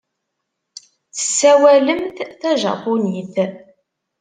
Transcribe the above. Tessawalemt tajapunit.